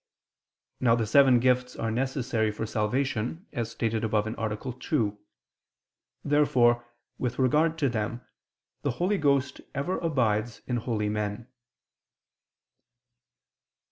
Now the seven gifts are necessary for salvation, as stated above (A. 2). Therefore, with regard to them, the Holy Ghost ever abides in holy men.